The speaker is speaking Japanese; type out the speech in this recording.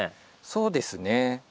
そうですね。